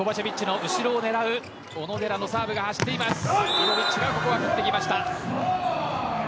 イボビッチがここは打ってきました。